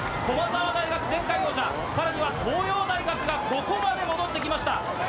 駒澤大学前回王者さらには東洋大学がここまで戻って来ました。